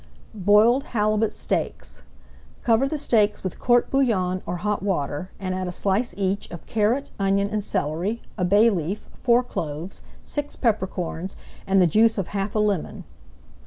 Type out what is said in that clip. BOILED HALIBUT STEAKS Cover the steaks with court bouillon or hot water, and add a slice each of carrot, onion, and celery, a bay leaf, four cloves, six peppercorns, and the juice of half a lemon.